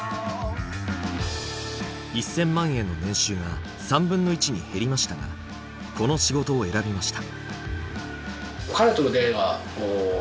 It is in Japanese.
１，０００万円の年収が３分の１に減りましたがこの仕事を選びました。